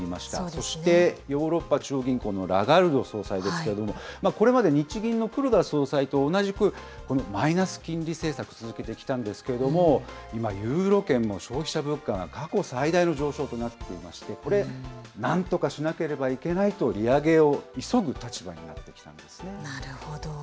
そしてヨーロッパ中央銀行のラガルド総裁ですけれども、これまで日銀の黒田総裁と同じく、このマイナス金利政策、続けてきたんですけれども、今、ユーロ圏も消費者物価が過去最大の上昇となっていまして、これ、なんとかしなければいけないと、利上げを急ぐ立なるほど。